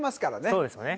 そうですよね